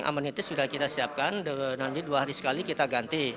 amenintis sudah kita siapkan nanti dua hari sekali kita ganti